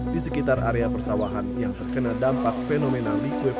di sekitar area persawahan yang terkena dampak fenomena liquid